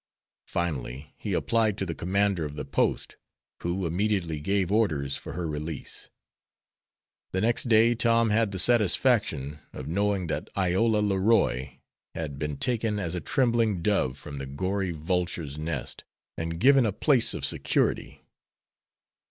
Finally he applied to the Commander of the post, who immediately gave orders for her release. The next day Tom had the satisfaction of knowing that Iola Leroy had been taken as a trembling dove from the gory vulture's nest and given a place of security.